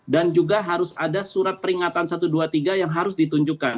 dan juga harus ada surat peringatan satu dua tiga yang harus ditunjukkan